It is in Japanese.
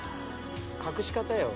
隠し方よ